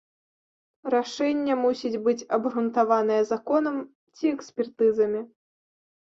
Рашэнне мусіць быць абгрунтаванае законам ці экспертызамі.